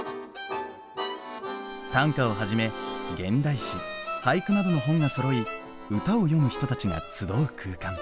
短歌をはじめ現代詩俳句などの本がそろい歌を詠む人たちが集う空間。